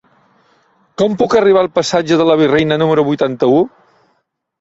Com puc arribar al passatge de la Virreina número vuitanta-u?